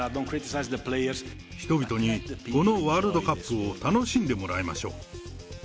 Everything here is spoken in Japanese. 人々にこのワールドカップを楽しんでもらいましょう。